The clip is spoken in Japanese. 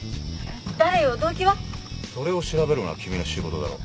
それを調べるのは君の仕事だろ。